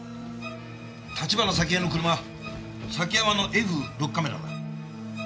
橘沙希江の車崎山のＦ６カメラだ。